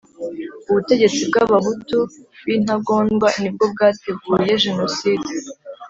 Ubutegetsi bw Abahutu b intagondwa nibwo bwateguye genoside